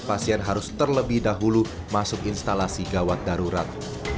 pasien harus terlebih dahulu masuk instalasi gawat darurat